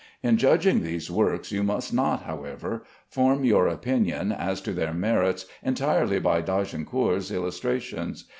In judging these works you must not, however, form your opinion as to their merits entirely by d'Agincourt's illustrations.